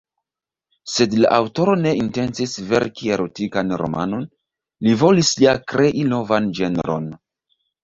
Sed la aŭtoro ne intencis verki erotikan romanon, li volis ja krei novan ĝenron.